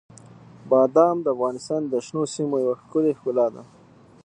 بادام د افغانستان د شنو سیمو یوه ښکلې ښکلا ده.